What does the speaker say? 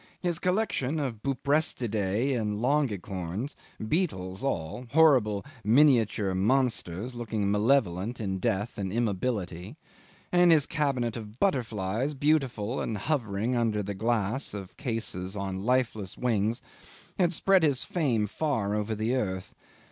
His collection of Buprestidae and Longicorns beetles all horrible miniature monsters, looking malevolent in death and immobility, and his cabinet of butterflies, beautiful and hovering under the glass of cases on lifeless wings, had spread his fame far over the earth.